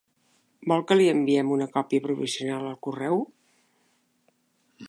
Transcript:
Vol que li enviem una còpia provisional al correu?